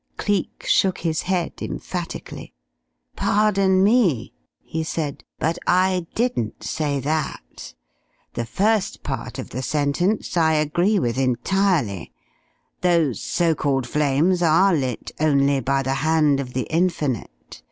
Cleek shook his head emphatically. "Pardon me," he said, "but I didn't say that. The first part of the sentence I agree with entirely. Those so called flames are lit only by the hand of the Infinite.